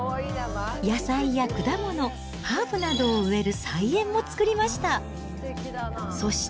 野菜や果物、ハーブなどを植える菜園も作りました。